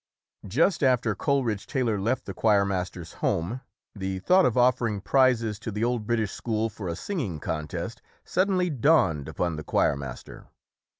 Just after Coleridge Taylor left the choir master's home, the thought of offering prizes to the Old British School for a singing contest sud denly dawned upon the choirmaster.